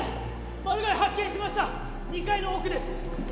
マルガイ発見しました２階の奥です